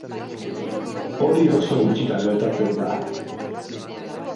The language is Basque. Hori oso gutxitan gertatzen da.